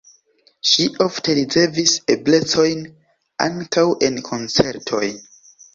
Ŝi ofte ricevis eblecojn ankaŭ en koncertoj.